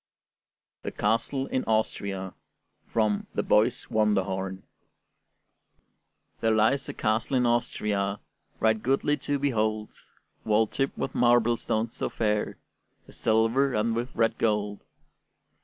THE CASTLE IN AUSTRIA From 'The Boy's Wonderhorn' There lies a castle in Austria, Right goodly to behold, Walled tip with marble stones so fair, With silver and with red gold.